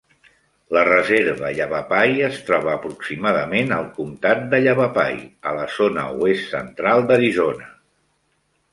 La reserva Yavapai es troba aproximadament al comptat de Yavapai, a la zona oest-central d'Arizona.